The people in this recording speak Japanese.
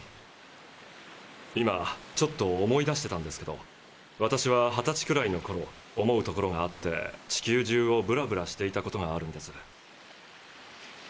今ちょっと思い出してたんですけど私は二十歳くらいのころ思うところがあって地球じゅうをブラブラしていたことがあるんです。